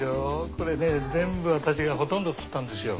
これね全部私がほとんど釣ったんですよ。